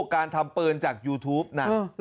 การทำปืนจากยูทูปนะ